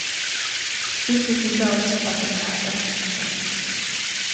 Би тэдэнтэй уулзах боломжоо алдаж чадахгүй.